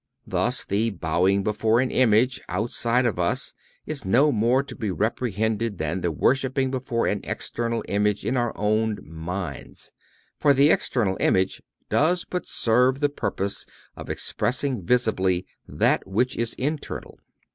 Thus, the bowing before an image outside of us is no more to be reprehended than the worshiping before an external image in our own minds; for the external image does but serve the purpose of expressing visibly that which is internal."